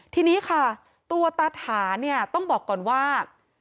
ทีนี้ค่ะตัวตาถาเนี่ยต้องบอกก่อนว่า